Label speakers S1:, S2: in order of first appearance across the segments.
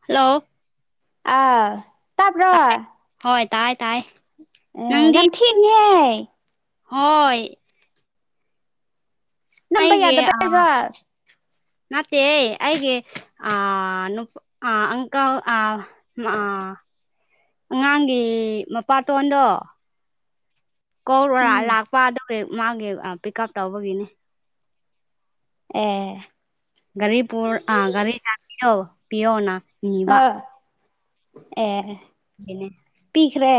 S1: hello
S2: ꯑꯥ ꯇꯕ꯭ꯔꯣ
S1: ꯇꯥꯏ ꯍꯣꯏ ꯇꯥꯏ ꯇꯥꯏ
S2: ꯑꯦ
S1: ꯅꯪꯗꯤ
S2: ꯌꯥꯝ ꯊꯦꯡꯉꯤꯍꯦ
S1: ꯍꯣꯏ
S2: ꯅꯝꯕ
S1: ꯑꯩꯒꯤ ꯑꯥ
S2: ꯌꯥꯗꯕꯩꯔꯣ
S1: ꯅꯠꯇꯦꯌꯦ ꯑꯩꯒꯤ ꯑꯥ ꯅꯨꯄꯥ ꯑꯥ ꯑꯪꯀꯜ ꯑꯥ ꯑꯥ ꯑꯉꯥꯡꯒꯤ ꯃꯄꯥꯇꯣꯟꯗꯣ ꯀꯧꯔꯥ
S2: ꯎꯝ
S1: ꯂꯥꯛꯄ ꯑꯗꯨꯒꯤ ꯃꯥꯒꯤ ꯄꯤꯛꯑꯞ ꯇꯧꯕꯒꯤꯅꯤ
S2: ꯑꯦ
S1: ꯒꯥꯔꯤ ꯄꯨꯔ ꯑꯥ ꯒꯥꯔꯤ ꯂꯥꯛꯕꯤꯗꯣ ꯄꯤꯌꯣꯅ
S2: ꯑꯥ
S1: ꯅꯤꯕꯅꯦ
S2: ꯑꯦ
S1: [unintelligible]
S2: ꯄꯤꯈ꯭ꯔꯦ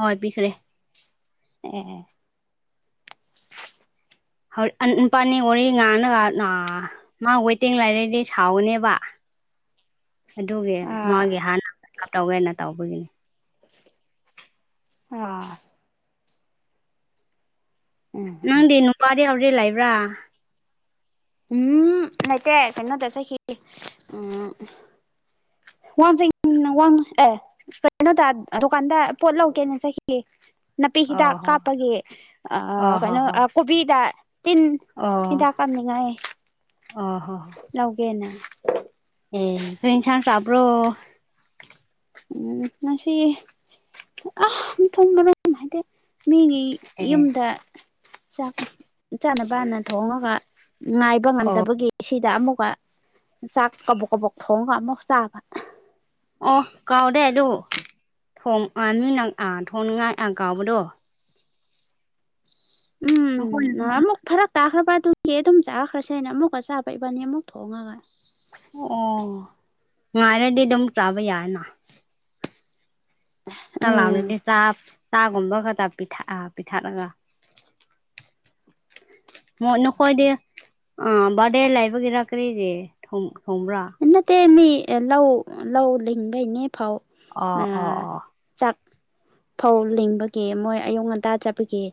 S1: ꯍꯣꯏ ꯄꯤꯈ꯭ꯔꯦ
S2: ꯑꯦ
S1: [unintelligible] ꯃꯥ ꯋꯦꯠꯇꯤꯡ ꯂꯩꯥꯏꯔꯗꯤ ꯁꯥꯎꯅꯤꯕ ꯑꯗꯨꯒꯤ
S2: ꯑꯥ
S1: ꯃꯥꯒꯤ ꯍꯥꯟꯅ ꯄꯤꯛꯑꯞ ꯇꯧꯒꯦꯅ ꯇꯧꯕꯒꯤꯅꯤ
S2: ꯑꯥ ꯎꯝ
S1: ꯅꯪꯗꯤ ꯅꯨꯄꯥꯗꯤ ꯍꯧꯖꯤꯛ ꯂꯩꯕ꯭ꯔꯥ
S2: ꯎꯝ ꯂꯩꯇꯦ ꯀꯩꯅꯣꯗ ꯆꯠꯈꯤ ꯎꯝ [unintelligible] ꯋꯥꯡ ꯑꯦ ꯀꯩꯅꯣꯗ ꯗꯨꯀꯥꯟꯗ ꯄꯣꯠ ꯂꯧꯒꯦꯅ ꯆꯠꯈꯤ ꯅꯥꯄꯤ
S1: ꯑ
S2: ꯍꯤꯗꯥꯛ
S1: ꯍꯣ
S2: ꯀꯥꯞꯄꯒꯤ ꯑ
S1: ꯍꯣ
S2: ꯀꯩꯅꯣ
S1: ꯍꯣ
S2: ꯀꯣꯕꯤꯗ ꯇꯤꯟ ꯍꯤꯗꯥꯛ ꯀꯥꯞꯅꯤꯡꯉꯥꯏ
S1: ꯑꯥ ꯍꯥ
S2: ꯅꯧꯒꯦꯅ
S1: ꯑꯦ ꯀꯔꯤ ꯏꯟꯁꯥꯡ ꯆꯥꯕ꯭ꯔꯣ
S2: ꯎꯝ ꯉꯁꯤ ꯑꯥ ꯃꯊꯣꯡ ꯃꯔꯣꯡ ꯅꯥꯏꯗꯦ ꯃꯤꯒꯤ
S1: ꯑꯦ
S2: ꯌꯨꯝꯗ ꯆꯥꯛ ꯆꯥꯅꯕꯅ ꯊꯣꯡꯉꯒ ꯉꯥꯏꯕ
S1: ꯑꯣ
S2: ꯉꯝꯗꯕꯒꯤ ꯁꯤꯗ ꯑꯃꯨꯛꯀ ꯆꯥꯛ ꯀꯕꯣꯛ ꯀꯕꯣꯛ ꯊꯣꯡꯉꯒ ꯑꯃꯨꯛ ꯆꯥꯕ
S1: ꯑꯣ ꯀꯥꯎꯗꯦ ꯑꯗꯨ ꯊꯣꯡ ꯑꯥ ꯅꯣꯏꯅ ꯑꯥ ꯊꯣꯡꯅꯤꯡꯉꯥꯏ ꯑꯥ ꯀꯥꯎꯕꯗꯣ
S2: ꯎꯝ
S1: ꯅꯈꯣꯏꯅ
S2: ꯅꯍꯥꯟꯃꯨꯛ ꯐꯔꯛ ꯇꯥꯈ꯭ꯔꯕ ꯑꯗꯨꯒꯤ ꯑꯗꯨꯝ ꯆꯥꯈ꯭ꯔꯁꯦꯅ ꯍꯥꯏꯅ ꯑꯃꯨꯛꯀ ꯆꯥꯕ ꯏꯕꯥꯅꯤ ꯑꯃꯨꯛ ꯊꯣꯡꯉꯒ
S1: ꯑꯣ ꯉꯥꯏꯔꯗꯤ ꯑꯗꯨꯝ ꯆꯥꯕ ꯌꯥꯏꯅ ꯇꯥ ꯂꯥꯝꯔꯗꯤ
S2: ꯎꯝ
S1: ꯆꯥ ꯆꯥꯒꯨꯝꯕ ꯈꯛꯇ ꯄꯤꯊꯛꯑ ꯄꯤꯊꯛꯂꯒ
S2: [inaudible]
S1: ꯃꯣ ꯅꯈꯣꯏꯗꯤ ꯑ ꯕꯥꯔꯗꯦ ꯂꯩꯕꯒꯤꯔ ꯀꯔꯤꯗꯤ ꯊꯣꯡ ꯊꯣꯡꯕ꯭ꯔꯥ
S2: ꯅꯠꯇꯦ ꯃꯤ ꯂꯧ ꯂꯧ ꯂꯤꯡꯕꯩꯅꯦ ꯐꯧ
S1: ꯑ ꯑꯣ ꯑꯣ
S2: ꯆꯥꯛ ꯐꯧ ꯂꯤꯡꯕꯒꯤ ꯃꯣꯏ ꯑꯌꯨꯛ ꯉꯟꯇꯥ ꯆꯠꯄꯒꯤ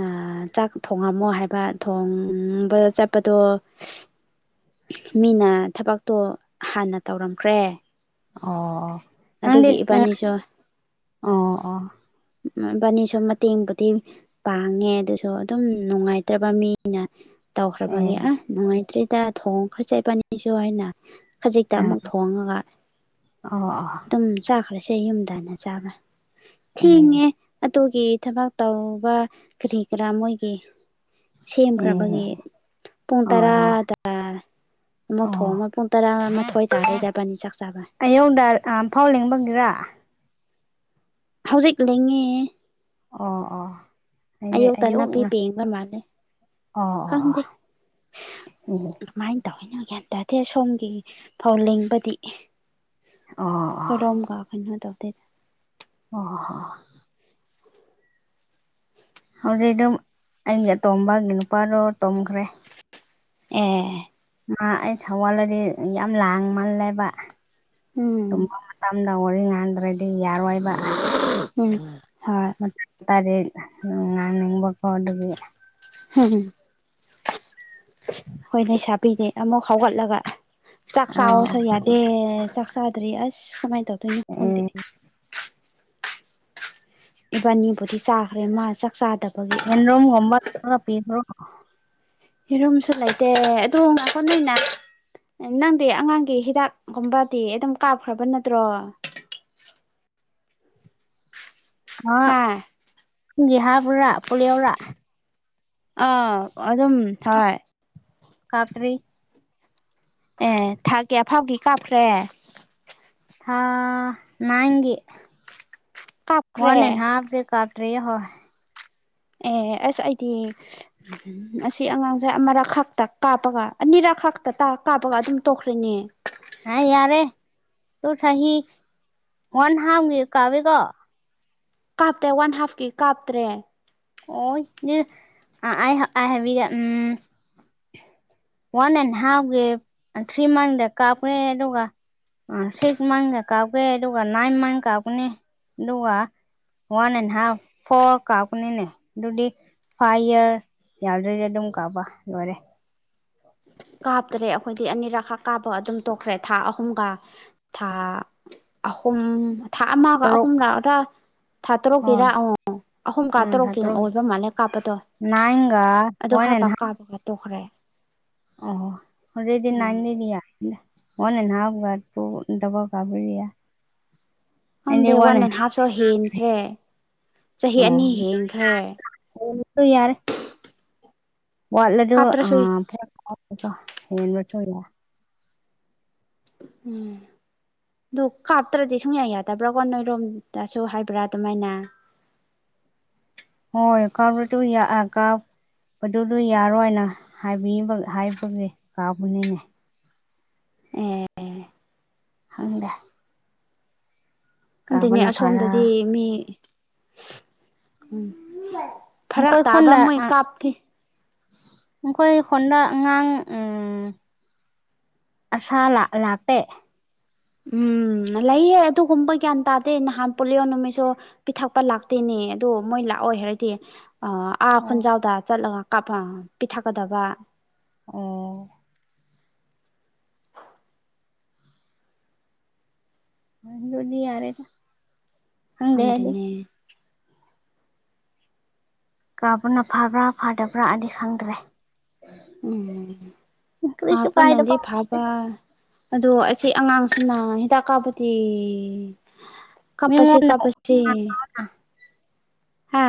S2: ꯑꯥ ꯆꯥꯛ ꯊꯣꯡꯉꯝꯃꯣ ꯍꯥꯏꯕ ꯊꯣꯡꯕ ꯆꯠꯄꯗꯣ ꯃꯤꯅ ꯊꯕꯛꯇꯣ ꯍꯥꯟꯅ ꯇꯧꯔꯝꯈ꯭ꯔꯦ
S1: ꯑꯣ ꯑꯣ
S2: ꯑꯗꯨꯒꯤ ꯏꯕꯥꯟꯅꯤꯁꯨ
S1: ꯑꯣ ꯑꯣ
S2: ꯏꯕꯟꯅꯤꯁꯨ ꯃꯇꯦꯡꯕꯨꯗꯤ ꯄꯥꯡꯉꯦ ꯑꯗꯨꯁꯨ ꯑꯗꯨꯝ ꯅꯨꯡꯉꯥꯏꯇ꯭ꯔꯕ ꯃꯤꯅ
S1: ꯑꯦ
S2: ꯇꯧꯈ꯭ꯔꯕꯒꯤ ꯑ ꯅꯨꯡꯉꯥꯏꯇ꯭ꯔꯦꯗ ꯊꯣꯡꯈ꯭ꯔꯁꯦ ꯏꯕꯥꯟꯅꯤꯁꯨ ꯍꯥꯏꯅ ꯈꯖꯤꯛꯇ
S1: ꯑ
S2: ꯑꯃꯨꯛ ꯊꯣꯡꯉꯒ
S1: ꯑꯣ ꯑꯣ
S2: ꯑꯗꯨꯝ ꯆꯥꯈ꯭ꯔꯁꯦ ꯌꯨꯝꯗꯅ ꯆꯥꯕ
S1: ꯑꯦ
S2: ꯊꯤꯡꯉꯦ ꯑꯗꯨꯒꯤ ꯊꯕꯛ ꯇꯧꯕ ꯀꯔꯤ ꯀꯔꯥ ꯃꯣꯏꯒꯤ
S1: ꯑꯦ
S2: ꯁꯦꯝꯈ꯭ꯔꯕꯒꯤ ꯄꯨꯡ
S1: ꯍꯣꯏ
S2: ꯇꯔꯥ
S1: ꯍꯣꯏ
S2: ꯇꯥ ꯔꯥ ꯑꯃꯨꯛ
S1: ꯑꯣ
S2: ꯊꯣꯡꯕꯥ ꯄꯨꯡ ꯇꯔꯥ ꯇꯔꯃꯊꯣꯏꯗꯔ ꯇꯔꯦꯗꯥ ꯑꯕꯥꯟꯅꯤ ꯆꯥꯛ ꯆꯥꯕ
S1: ꯑꯩꯌꯨꯛꯗ ꯑꯥ ꯐꯧ ꯂꯤꯡꯕꯒꯤꯔꯥ
S2: ꯍꯧꯖꯤꯛ ꯂꯤꯡꯉꯦ
S1: ꯑꯣ ꯑꯣ ꯍꯥꯏꯗꯤ
S2: ꯑꯌꯨꯛꯇ ꯅꯥꯄꯤ
S1: ꯑꯌꯨꯛꯅ
S2: ꯄꯦꯡꯕ ꯃꯥꯜꯂꯦ
S1: ꯑꯣ ꯑꯣ
S2: ꯈꯪꯗꯦ
S1: ꯑꯣ ꯎꯝ
S2: ꯀꯃꯥꯏ ꯇꯧꯋꯤꯅꯣ ꯒ꯭ꯌꯥꯟ ꯇꯥꯗꯦ ꯁꯣꯝꯒꯤ ꯐꯧ ꯂꯤꯡꯕꯗꯤ
S1: ꯑꯣ ꯑꯣ
S2: ꯑꯍꯣꯏꯔꯣꯝꯒ ꯀꯩꯅꯣ ꯇꯧꯗꯦ
S1: ꯑꯣ ꯍ ꯍ ꯍ ꯍꯧꯖꯤꯛ ꯑꯗꯨꯝ ꯑꯩꯅ ꯇꯣꯝꯕ ꯅꯨꯄꯥꯔꯣ ꯇꯣꯝꯈ꯭ꯔꯦ
S2: ꯑꯦ ꯑꯦ
S1: ꯃꯥ ꯑꯩꯅ ꯍꯥꯋꯥꯜꯂꯗꯤ ꯌꯥꯝ ꯂꯥꯡꯃꯜꯂꯦꯕ
S2: ꯎꯝ
S1: ꯇꯝꯅ ꯋꯥꯔꯤ ꯉꯥꯟꯗ꯭ꯔꯗꯤ ꯌꯥꯔꯣꯏꯕ
S2: ꯎꯝ ꯍꯥꯣꯏ
S1: ꯇꯗꯤ ꯉꯥꯡ ꯅꯤꯡꯕꯀꯣ ꯑꯗꯨꯒꯤ
S2: ꯍꯥꯝ ꯑꯍꯣꯏ ꯂꯩꯩꯁꯥꯕꯤꯗꯤ ꯑꯃꯨꯛ ꯍꯧꯒꯠꯂꯒ ꯆꯥꯛ
S1: ꯑꯧ
S2: ꯆꯥꯑꯣꯁꯨ ꯌꯥꯗꯦ ꯆꯥꯛ ꯆꯥꯗ꯭ꯔꯤ ꯑꯁ ꯀꯃꯥꯏꯅ ꯇꯧꯗꯣꯏꯅꯣ
S1: ꯑꯦ
S2: ꯈꯪꯗꯦ ꯏꯕꯥꯟꯅꯤꯕꯨꯗꯤ ꯆꯥꯈ꯭ꯔꯦ ꯃꯥ ꯆꯥꯛ ꯆꯥꯗꯕꯒꯤ
S1: ꯌꯦꯟꯔꯨꯝꯒꯨꯝꯕ ꯈꯔ ꯄꯤꯗ꯭ꯔꯣ
S2: ꯌꯦꯔꯨꯝꯁꯨ ꯂꯩꯇꯦ ꯑꯗꯨ ꯉꯥꯏꯈꯣ ꯅꯣꯏꯅ ꯅꯪꯗꯤ ꯑꯉꯥꯡꯒꯤ ꯍꯤꯗꯥꯛ ꯀꯨꯝꯕꯗꯤ ꯑꯗꯨꯝ ꯀꯥꯞꯈ꯭ꯔꯕ ꯅꯠꯇ꯭ꯔꯣ
S1: ꯍꯥ [unintelligible] ꯄꯨꯔꯥ ꯄꯣꯂꯤꯌꯣꯔꯥ
S2: ꯑꯥ ꯑꯗꯨꯝ ꯍꯣꯏ
S1: ꯀꯥꯞꯇ꯭ꯔꯤ
S2: ꯑꯦ ꯊꯥ ꯀꯌꯥ ꯐꯥꯕꯒꯤ ꯀꯥꯞꯈ꯭ꯔꯦ
S1: ꯊꯥ ꯅꯥꯏꯟꯒꯤ
S2: ꯀꯥꯞꯈ꯭ꯔꯦ
S1: ꯋꯥꯟ ꯑꯦꯟ ꯍꯥꯐ ꯗꯤ ꯀꯞ ꯗ꯭ꯔꯤꯌꯦ ꯍꯣꯏ
S2: ꯑꯦ ꯑꯁ ꯑꯩꯗꯤ ꯑꯁꯤ ꯑꯉꯥꯡꯁꯦ ꯑꯃꯔꯛ ꯈꯥꯛꯇ ꯀꯥꯞꯄꯒ ꯑꯅꯤꯔꯛ ꯈꯥꯛꯇ ꯇ ꯀꯥꯞꯄꯒ ꯑꯗꯨꯝ ꯇꯣꯛꯈ꯭ꯔꯦꯅꯦ
S1: ꯍꯥ ꯌꯥꯔꯦ ꯇꯨ ꯆꯍꯤ ꯋꯥꯟ ꯍꯥꯞ ꯒꯤ ꯀꯥꯞꯄꯦꯀꯣ
S2: ꯀꯥꯞꯇꯦ ꯋꯥꯟ ꯍꯥꯞ ꯀꯤ ꯀꯥꯞꯇ꯭ꯔꯦ
S1: ꯑꯏ ꯗꯨ ꯑꯥꯏ ꯑꯥꯏ ꯍꯥꯏꯕꯤꯒꯦ ꯎꯝ ꯋꯥꯟ ꯑꯦꯟ ꯍꯥꯞ ꯒꯤ ꯊ꯭ꯔꯤ ꯃꯟꯗ ꯀꯥꯞꯀꯅꯤ ꯑꯗꯨꯒ ꯁꯤꯛꯁ ꯃꯟꯀ ꯀꯥꯞꯀꯦ ꯑꯗꯨꯒ ꯅꯥꯏꯟ ꯃꯟ ꯀꯥꯞꯀꯅꯤ ꯑꯗꯨꯒ ꯋꯥꯟ ꯑꯦꯟ ꯍꯥꯐ ꯐꯣꯔ ꯀꯥꯞꯄꯅꯤꯅꯦ ꯑꯗꯨꯗꯤ ꯐꯥꯏꯚ ꯌꯔ ꯌꯥꯗ꯭ꯔꯗꯤ ꯑꯗꯨꯝ ꯀꯥꯄ ꯂꯣꯏꯔꯦ
S2: ꯀꯥꯞꯇꯔꯦ ꯑꯩꯈꯣꯏꯗꯤ ꯑꯅꯤꯔꯛꯈꯛ ꯀꯥꯞꯄ ꯑꯗꯨꯝ ꯇꯣꯛꯈ꯭ꯔꯦ ꯊꯥ ꯑꯍꯨꯝꯒ ꯊꯥ ꯑꯍꯨꯝ ꯊꯥ ꯑꯃꯒ
S1: ꯇꯔꯨꯛ
S2: ꯑꯍꯨꯝꯒꯔꯥ ꯊꯥ ꯇꯔꯨꯛꯀꯤꯔꯥ
S1: ꯍꯣꯏ
S2: ꯍꯪꯉꯣ ꯑꯍꯨꯝ ꯀꯥ
S1: ꯎꯝ ꯊꯥ
S2: ꯇꯔꯨꯛꯀꯤ
S1: ꯇꯔꯨꯛ
S2: ꯑꯣꯏꯕ ꯃꯥꯜꯂꯦ ꯀꯥꯞꯄꯗꯣ
S1: ꯅꯥꯏꯟꯒ
S2: ꯑꯗꯨ
S1: ꯋꯥꯟ ꯑꯦꯟ
S2: ꯈꯔ
S1: ꯍꯥꯐ
S2: ꯀꯥꯞ ꯀꯥꯞꯄ ꯇꯣꯛꯈ꯭ꯔꯦ
S1: ꯑꯣ ꯑꯗꯨꯗꯤ
S2: ꯎꯝ
S1: ꯅꯥꯏꯟꯅꯤꯗꯤ ꯋꯥꯟ ꯑꯦꯟ ꯍꯥꯞ ꯗꯕꯒꯥꯕꯔꯤꯌ
S2: ꯈꯪꯗꯦ ꯋꯥꯟ ꯑꯦꯟ ꯍꯥꯐꯁꯨ ꯍꯦꯟꯈ꯭ꯔꯦ ꯆꯍꯤ ꯑꯅꯤ ꯍꯦꯟꯈ꯭ꯔꯦ
S1: ꯑꯣ [unintelligible] ꯌꯥꯔꯦ ꯋꯥꯠꯂꯗꯨ ꯑ
S2: ꯀꯥꯞꯇ꯭ꯔꯁꯨ
S1: ꯐ ꯍꯦꯟꯕꯁꯨ ꯌꯥꯏ
S2: ꯎꯝ ꯑꯗꯨ ꯀꯥꯞꯇ꯭ꯔꯗꯤ ꯁꯨꯡꯌꯥ ꯌꯥꯗꯕ꯭ꯔꯥꯀꯣ ꯅꯣꯏꯔꯣꯝꯗꯁꯨ ꯍꯥꯏꯕ꯭ꯔꯥ ꯑꯗꯨꯃꯥꯏꯅ
S1: ꯍꯣꯏ ꯀꯥꯞꯔ ꯇꯨ ꯌꯥꯑꯥ ꯀꯥꯞ ꯑꯗꯨꯗꯣ ꯌꯥꯔꯣꯏꯅ ꯍꯥꯏꯕꯤꯕ ꯍꯥꯏꯕꯒꯤ ꯀꯥꯞꯄꯅꯤꯅꯦ
S2: ꯑꯦ
S1: ꯍꯪꯗꯦ
S2: ꯈꯪꯗꯦꯅꯦ
S1: ꯀꯥꯕꯅ ꯐꯔ
S2: ꯑꯁꯣꯝꯗꯗꯤ ꯃꯤ ꯎꯝ ꯐꯔꯛ
S1: ꯅꯈꯣꯏ
S2: ꯇꯥꯕ
S1: ꯈꯨꯟꯗ
S2: ꯃꯣꯏ ꯀꯥꯞꯀꯦ
S1: ꯑꯩꯈꯣꯏ ꯍꯣꯟꯗ ꯑꯉꯥꯡ ꯎꯝ ꯑꯁꯥ ꯂ ꯂꯥꯛꯄꯦ
S2: ꯎꯝ ꯂꯩꯌꯦ ꯑꯗꯨꯒꯨꯝꯕ ꯒ꯭ꯌꯥꯟ ꯇꯥꯗꯦ ꯅꯍꯥꯟ ꯄꯣꯂꯤꯌꯣ ꯅꯨꯃꯤꯠꯁꯨ ꯄꯤꯊꯛꯄ ꯂꯥꯛꯇꯦꯅꯦ ꯑꯗꯣ ꯃꯣꯏ ꯂꯥꯛꯑꯣꯏ ꯍꯥꯏꯔꯗꯤ ꯑ ꯑꯥ
S1: ꯑꯣ
S2: ꯈꯣꯟꯖꯥꯎꯗ ꯆꯠꯂꯒ ꯀꯥꯞꯄ ꯄꯤꯊꯛꯀꯗꯕ
S1: ꯑꯣ ꯑꯗꯨꯗꯤ ꯌꯥꯔꯦꯗ ꯈꯪꯗꯦ ꯑꯩꯗꯤ
S2: ꯈꯪꯗꯦꯅꯦ
S1: ꯀꯥꯞꯄꯅ ꯐꯕ꯭ꯔꯥ ꯐꯗꯕ꯭ꯔꯥ ꯑꯩꯗꯤ ꯈꯪꯗ꯭ꯔꯦ
S2: ꯎꯝ
S1: ꯀꯔꯤꯁꯨ
S2: ꯀꯥꯞꯄꯅꯗꯤ
S1: ꯀꯥꯏꯗꯕ
S2: ꯐ ꯕ ꯑꯗꯣ ꯑꯁꯤ ꯑꯉꯥꯡꯁꯤꯅ ꯍꯤꯗꯥꯛ ꯀꯥꯞꯄꯗꯤ ꯀꯞꯄꯥꯁꯤ
S1: ꯃꯤꯉꯣꯟꯗ
S2: ꯀꯞꯄꯥꯁꯤ
S1: ꯉꯥꯡꯅꯥꯎꯅ
S2: ꯍꯥ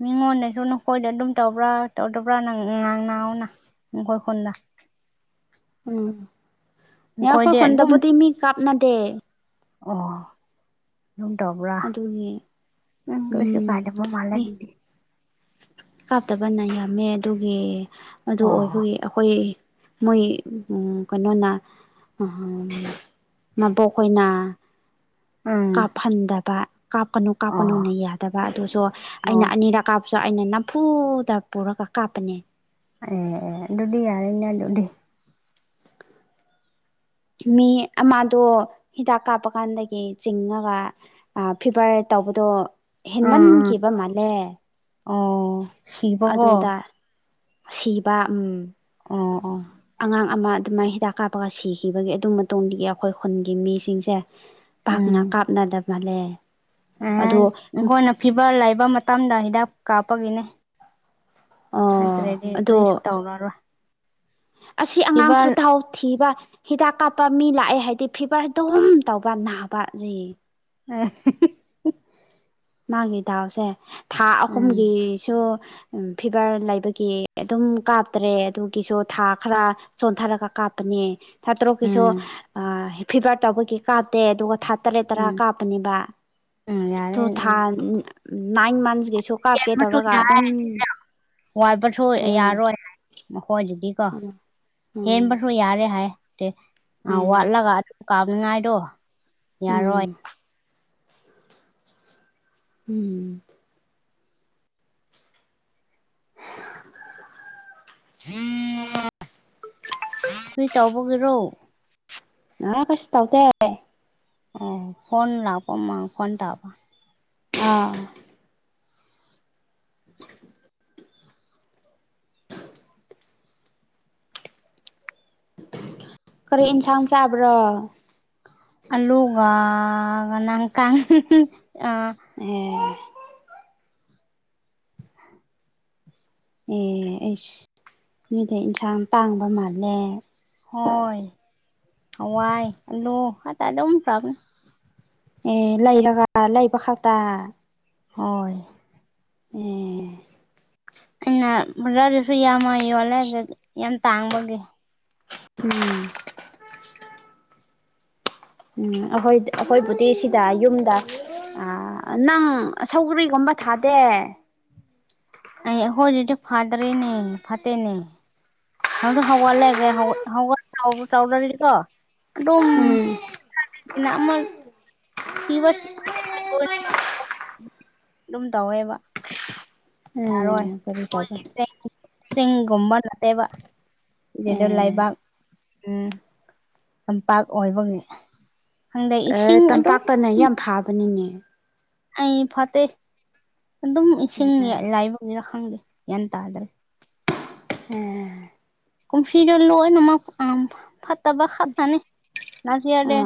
S1: ꯃꯤꯉꯣꯟꯗꯩꯁꯨ ꯅꯈꯣꯏꯗ ꯑꯗꯨꯝ ꯇꯧꯕ꯭ꯔꯥ ꯇꯧꯗꯕ꯭ꯔꯥ ꯅꯪ ꯉꯥꯡ ꯅꯥꯎꯅ ꯅꯈꯣꯏ ꯈꯨꯟꯗ
S2: ꯎꯝ ꯅꯈꯣꯏ
S1: ꯅꯈꯣꯏꯗꯤ ꯑꯗꯨꯝ
S2: ꯈꯨꯟꯗꯕꯨꯗꯤ ꯃꯤ ꯀꯥꯞꯅꯗꯦ
S1: ꯑꯣ ꯑꯗꯨꯝ ꯇꯧꯕ꯭ꯔꯥ
S2: ꯑꯗꯨꯒꯤ
S1: ꯎꯝ ꯀꯩꯁꯨ ꯀꯥꯏꯗꯕ
S2: ꯃꯤ
S1: ꯃꯥꯜꯂꯦꯗꯨꯗꯤ
S2: ꯀꯥꯞꯇꯕꯅ ꯌꯥꯝꯃꯦ ꯑꯗꯨꯒꯤ ꯑꯗꯨ
S1: ꯑꯣ
S2: ꯑꯣꯏꯕꯒꯤ ꯑꯩꯈꯣꯏ ꯃꯣꯏ ꯎꯝ ꯀꯩꯅꯣꯅ ꯎꯝ ꯃꯕꯣꯛꯍꯣꯏꯅꯥ
S1: ꯎꯝ
S2: ꯀꯥꯞꯐꯟꯗꯕ ꯀꯥꯞꯀꯅꯨ
S1: ꯑꯣ
S2: ꯀꯥꯞꯀꯅꯨꯅ ꯌꯥꯗꯕ ꯑꯗꯨꯖꯨ
S1: ꯑꯣ
S2: ꯑꯩꯅ ꯑꯅꯤꯔꯛ ꯀꯥꯞꯖꯨ ꯑꯩꯅ ꯅꯝꯐꯨꯗ ꯄꯨꯔꯒ ꯀꯥꯞꯄꯅꯦ
S1: ꯑꯦ ꯑꯦ ꯗꯨꯗꯤ ꯌꯥꯔꯦꯅꯦ ꯗꯨꯗꯤ
S2: ꯃꯤ ꯑꯃꯥꯗꯣ ꯍꯤꯗꯥꯛ ꯀꯥꯞꯄꯀꯥꯟꯗꯒꯤ ꯆꯤꯡꯉꯒ ꯑꯥ ꯐꯤꯚꯔ ꯇꯧꯕꯗꯣ
S1: ꯑꯥ ꯑꯥ
S2: ꯍꯦꯟꯃꯟꯈꯤꯕ ꯃꯥꯜꯂꯦ
S1: ꯑꯣ ꯁꯤꯕꯀꯣ
S2: ꯑꯗꯨꯗꯥ ꯁꯤꯕ ꯎꯝ
S1: ꯑꯣ ꯑꯣ
S2: ꯑꯉꯥꯡ ꯑꯃ ꯑꯗꯨꯃꯥꯏ ꯍꯤꯗꯥꯛ ꯀꯥꯞꯄꯒ ꯁꯤꯈꯤꯕꯒꯤ ꯑꯗꯨ ꯃꯇꯨꯡꯗꯒꯤ ꯑꯈꯣꯏ ꯈꯨꯟꯒꯤ ꯃꯤꯁꯤꯡꯁꯦ ꯄꯥꯛꯅ ꯀꯥꯞꯅꯗ ꯃꯥꯂꯦ
S1: ꯑ ꯅꯈꯣꯏꯅ ꯐꯤꯚꯔ ꯂꯩꯕ ꯃꯇꯝꯗ ꯍꯤꯗꯥꯛ ꯀꯥꯞꯄꯒꯤꯅꯤ
S2: ꯑꯣ ꯑꯗꯣ
S1: ꯀꯔꯤꯁꯨ ꯇꯧꯔꯔꯣꯏ
S2: ꯑꯁꯤ ꯑꯉꯥꯡꯁꯨ
S1: ꯏꯕꯥꯜ
S2: ꯗꯥꯎ ꯊꯤꯕ ꯍꯤꯗꯥꯛ ꯀꯥꯞꯄ ꯃꯤ ꯂꯥꯛꯑꯦ ꯍꯥꯏꯗꯤ ꯐꯤꯚꯔ ꯑꯗꯨꯝ ꯇꯧꯕ ꯅꯥꯕꯅꯤ
S1: [unintelligible]
S2: ꯃꯥꯒꯤ ꯗꯥꯎꯁꯦ ꯊꯥ
S1: ꯎꯝ
S2: ꯑꯍꯨꯝꯒꯤꯁꯨ ꯎꯝ ꯐꯤꯕꯔ ꯂꯩꯕꯒꯤ ꯑꯗꯨꯝ ꯀꯥꯞꯇꯔꯦ ꯑꯗꯨꯒꯤꯁꯨ ꯊꯥ ꯈꯔ ꯆꯣꯟꯊꯔꯒ ꯀꯥꯞꯄꯅꯦ ꯊꯥ ꯇꯔꯨꯛꯀꯤꯁꯨ
S1: ꯎꯝ
S2: ꯑꯥ ꯐꯤꯚꯔ ꯇꯧꯕꯒꯤ ꯀꯥꯞꯇꯦ ꯑꯗꯨꯒ ꯊꯥ ꯇꯔꯦꯠ ꯇꯔꯥ
S1: ꯎꯝ
S2: ꯀꯥꯞꯄꯅꯤꯕꯥ
S1: ꯎꯝ ꯌꯥꯔꯦ
S2: ꯗꯣ
S1: ꯑꯗꯨꯗꯤ
S2: ꯎꯝ ꯅꯥꯏꯟ ꯃꯟꯁ ꯒꯤꯁꯨ ꯀꯥꯞꯀꯦ ꯇꯧꯔꯒ ꯑꯗꯨꯝ
S1: ꯋꯥꯠꯄꯁꯨ
S2: ꯎꯝ
S1: ꯌꯥꯔꯣꯏ ꯃꯈꯣꯏꯗꯗꯤ ꯀꯣ
S2: ꯎꯝ ꯎꯝ
S1: ꯍꯦꯟꯕꯁꯨ ꯌꯥꯗꯦ ꯍꯥꯏ ꯇꯦ ꯑ ꯋꯥꯠꯂꯒ ꯀꯥꯞꯅꯤꯉꯥꯏꯗꯣ
S2: ꯎꯝ
S1: ꯌꯥꯔꯣꯏ
S2: ꯎꯝ [inaudible]
S1: ꯀ꯭ꯔꯤ ꯇꯧꯕꯒꯤꯔꯣ
S2: ꯑꯥ ꯀꯩꯁꯨ ꯇꯧꯗꯦ
S1: ꯑꯣ ꯐꯣꯟ ꯂꯥꯛꯄ ꯃꯥ ꯈꯣꯟ ꯇꯥꯕ
S2: ꯑꯥ [inaudible] ꯀꯔꯤ ꯏꯟꯁꯥꯡ ꯆꯥꯕ꯭ꯔꯣ
S1: ꯑꯂꯨꯒ ꯉꯅꯥꯡ ꯀꯥꯡ ꯑ
S2: ꯑꯦ ꯑꯦ ꯑꯩꯁ ꯅꯣꯏꯗꯝ ꯏꯟꯁꯥꯡ ꯇꯥꯡꯕ ꯃꯥꯜꯂꯦ
S1: ꯍꯣꯏ ꯍꯋꯥꯏ ꯑꯂꯨ ꯈꯛꯇ ꯑꯗꯨꯝ ꯆꯥꯕꯅꯤ
S2: ꯑꯦ ꯂꯩꯔꯒ ꯂꯩꯕ ꯈꯛꯇ
S1: ꯍꯣꯏ
S2: ꯑꯦ
S1: ꯑꯩꯅ ꯕꯖꯥꯔꯗꯁꯨ ꯌꯥꯝꯃ ꯌꯣꯜꯂꯦ ꯗꯨ ꯌꯥꯝ ꯇꯥꯡꯕꯒꯤ
S2: ꯎꯝ ꯎꯝ ꯑꯈꯣꯏ ꯑꯈꯣꯏꯕꯨꯗꯤ ꯁꯤꯗ ꯌꯨꯝꯗ ꯑꯥ ꯅꯪ ꯁꯧꯒ꯭ꯔꯤꯒꯨꯝꯕ ꯊꯥꯗꯦ
S1: ꯑꯩ ꯑꯍꯣꯏꯗꯗꯤ ꯐꯗ꯭ꯔꯦꯅꯦ ꯐꯠꯇꯦꯅꯦ ꯍꯥꯎꯗꯤ ꯍꯥꯎ ꯋꯥꯠꯂꯦ [unintelligible] ꯍꯥꯎꯕ ꯆꯥꯎꯗ꯭ꯔꯗꯤꯀꯣ ꯑꯗꯨꯝ
S2: ꯎꯝ
S1: [unintelligible] ꯁꯤꯕ ꯑꯗꯨꯝ ꯇꯧꯋꯦꯕ
S2: ꯑꯦ
S1: ꯌꯥꯔꯣꯏ
S2: ꯀꯔꯤ ꯇꯧꯕ
S1: ꯑꯈꯣꯏꯒꯤ ꯆꯩ ꯆꯤꯡꯒꯨꯝꯕ ꯂꯥꯛꯑꯦꯕ [unintelligible]
S2: ꯑꯦ
S1: ꯂꯩꯕꯥꯛ ꯎꯝ ꯇꯝꯄꯥꯛ ꯑꯣꯏꯕꯒꯤ ꯈꯪꯗꯦ
S2: ꯑꯦ
S1: ꯏꯁꯤꯡ ꯑꯗꯨꯝ
S2: ꯇꯝꯄꯥꯛꯇꯅ ꯌꯥꯝ ꯐꯥꯕꯅꯤꯅꯦ
S1: ꯑꯩ ꯐꯠꯇꯦ ꯑꯗꯨꯝ ꯏꯁꯤꯡ ꯂꯩꯕꯒꯤꯔꯥ ꯈꯪꯗꯦ ꯒ꯭ꯌꯥꯟ ꯇꯥꯗ꯭ꯔꯦ
S2: ꯎꯝ
S1: ꯀꯨꯝꯁꯤꯗꯤ ꯂꯣꯏꯅꯃꯛ ꯎꯝ ꯐꯠꯇꯕ ꯈꯠꯇꯅꯤ ꯂꯥꯁ ꯌꯥꯔꯗꯤ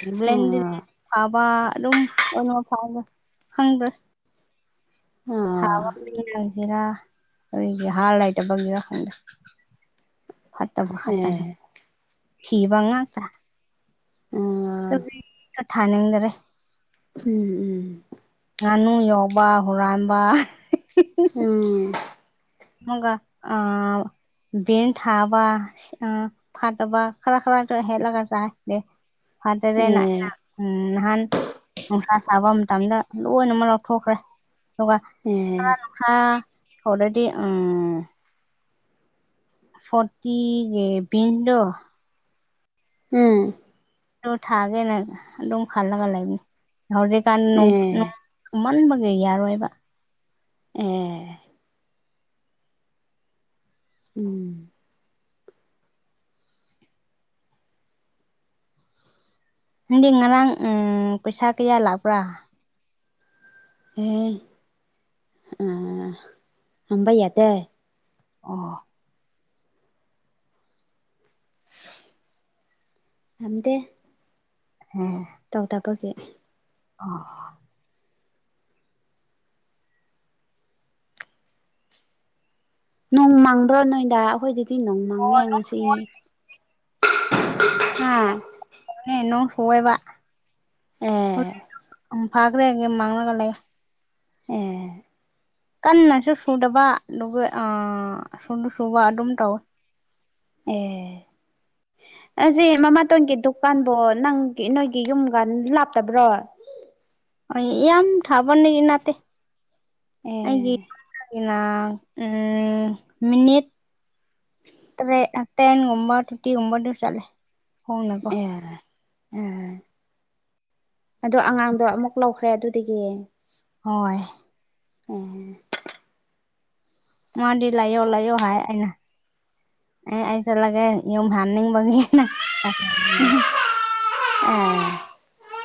S1: [unintelligible] ꯐꯥꯕ ꯑꯗꯨꯝ ꯀꯩꯅꯣ ꯐꯥꯎꯗ ꯈꯪꯗꯦ [unintelligible] ꯑꯩꯒꯤ ꯍꯥꯔ ꯂꯩꯇꯕꯒꯤꯔꯥ ꯈꯪꯗꯦ ꯐꯠꯇꯕ ꯈꯠꯇꯅꯤ ꯁꯤꯕ ꯉꯥꯛꯇ ꯊꯥꯕꯤꯒ ꯊꯥꯅꯤꯡꯗꯔꯦ
S2: ꯎꯝ ꯎꯝ
S1: ꯉꯥꯅꯨ ꯌꯥꯎꯕ ꯍꯨꯔꯥꯟꯕ
S2: ꯎꯝ
S1: ꯃꯣꯡꯒ ꯑꯥ ꯚꯦꯟ ꯊꯥꯕ ꯑꯥ ꯐꯠꯇꯕ ꯈꯔ ꯈꯔ ꯍꯦꯟꯂꯒ ꯆꯥꯏ [unintelligible] ꯎꯝ ꯅꯍꯥꯟ ꯅꯨꯡꯁꯥ ꯁꯥꯕ ꯃꯇꯝꯗ ꯂꯣꯏꯅꯃꯛ ꯂꯧꯊꯣꯛꯈ꯭ꯔꯦ ꯑꯗꯨꯒ [unintelligible] ꯊꯣꯂꯦ ꯗꯤ ꯎꯝ ꯐꯣꯔꯇꯤ ꯒꯤ ꯕꯤꯟꯗꯨ
S2: ꯎꯝ
S1: ꯑꯗꯨ ꯊꯥꯒꯦꯅ ꯑꯗꯨꯝ ꯈꯜꯂꯒ ꯂꯩꯕꯅꯤ ꯍꯧꯖꯤꯛ ꯀꯥꯟ ꯅꯣꯡ ꯅꯣꯡ ꯃꯟꯕꯒꯤ ꯌꯥꯔꯣꯏꯕ
S2: ꯑꯦ ꯎꯝ
S1: ꯅꯪꯗꯤ ꯉꯔꯥꯡ ꯎꯝ ꯄꯩꯁꯥ ꯀꯌꯥ ꯂꯥꯛꯄ꯭ꯔꯥ
S2: ꯎꯝ ꯑꯥ ꯍꯪꯕ ꯌꯥꯗꯦ
S1: ꯑꯣ
S2: ꯍꯟꯗꯦ
S1: [unintelligible]
S2: ꯇꯧꯗꯕꯒꯤ
S1: ꯑꯣ
S2: ꯅꯣꯡ ꯃꯪꯕ꯭ꯔꯣ ꯅꯣꯏꯗꯥ ꯑꯩꯈꯣꯏꯗꯗꯤ ꯅꯣꯡ
S1: ꯑꯣ
S2: ꯃꯪꯉꯦ
S1: ꯅꯣꯡ
S2: ꯉꯁꯤ
S1: ꯆꯨꯕꯅꯦ
S2: [unintelligible] ꯍꯥꯥ
S1: ꯑꯦ ꯅꯣꯡ ꯐꯨꯑꯦꯕ
S2: ꯑꯦ
S1: ꯍꯧꯖꯤꯛꯁꯨ ꯎꯝ ꯐꯥꯈ꯭ꯔꯦ ꯃꯪꯂꯒ ꯂꯩ
S2: ꯑꯦ
S1: ꯀꯟꯅꯁꯨ ꯆꯨꯗꯕ ꯑꯗꯨꯒ ꯑꯥ ꯑꯁꯣꯝꯗ ꯆꯨꯕ ꯑꯗꯨꯝ ꯇꯧꯋꯦ
S2: ꯑꯦ ꯑꯁꯤ ꯃꯃꯥꯇꯣꯟꯒꯤ ꯗꯨꯀꯥꯟꯕꯣ ꯅꯪꯒꯤ ꯅꯣꯏꯒꯤ ꯌꯨꯝꯒ ꯂꯥꯞꯇꯕ꯭ꯔꯣ
S1: ꯑꯩ ꯌꯥꯝ ꯊꯥꯞꯄꯅꯤ ꯅꯠꯇꯦ ꯑꯩꯒꯤ
S2: ꯑꯦ
S1: [unintelligible] ꯎꯝ ꯃꯤꯅꯤꯠ ꯇꯔꯦꯠ [unintelligible] ꯊꯔꯇꯤꯒꯨꯝꯕꯗꯤ ꯆꯠꯂꯦ ꯍꯣꯡꯅꯀꯣ
S2: ꯑꯦ ꯑꯦ ꯑꯗꯣ ꯑꯉꯥꯡꯗꯣ ꯑꯃꯨꯛ ꯂꯧ ꯈ꯭ꯔꯦ ꯑꯗꯨꯗꯒꯤ
S1: ꯍꯣꯏ
S2: ꯎꯝ
S1: ꯃꯥꯗꯤ ꯂꯩꯌꯣ ꯂꯩꯌꯣ ꯍꯥꯏ ꯑꯩꯅ ꯑꯩ ꯑꯩ ꯆꯠꯂꯒꯦ ꯌꯨꯝ ꯍꯟꯅꯤꯡꯕꯒꯤꯅ [unintelligible]
S2: [unintelligible]